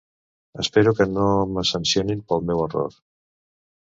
Espero que no me sancionin pel meu error.